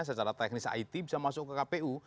secara teknis it bisa masuk ke kpu